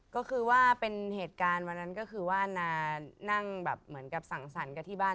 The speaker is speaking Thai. ก็คือว่าเป็นเหตุการณ์วันนั้นก็คือว่านานั่งแบบเหมือนกับสั่งสรรค์กับที่บ้าน